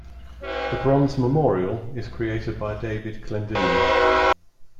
The bronze memorial is created by David Clendining.